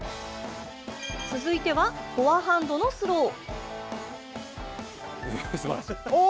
続いてはフォアハンドのスロー。